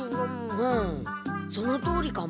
うんそのとおりかも。